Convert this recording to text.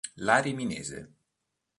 La Riminese.